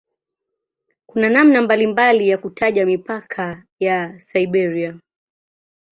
Kuna namna mbalimbali ya kutaja mipaka ya "Siberia".